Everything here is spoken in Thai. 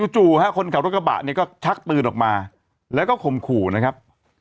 คนขับรถกระบะเนี่ยก็ชักปืนออกมาแล้วก็ข่มขู่นะครับ